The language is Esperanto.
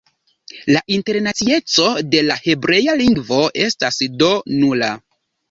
La internacieco de la hebrea lingvo estas do nula.